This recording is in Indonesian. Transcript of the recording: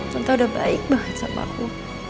contoh udah baik banget sama aku